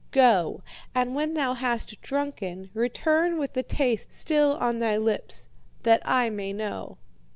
Go! and when thou hast drunken, return with the taste still on thy lips, that I may know.'